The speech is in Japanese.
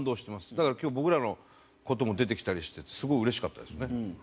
だから今日僕らの事も出てきたりしてすごいうれしかったですね。